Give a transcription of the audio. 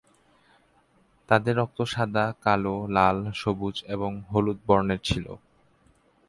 তাদের রক্ত সাদা, কালো, লাল, সবুজ এবং হলুদ বর্ণের ছিল।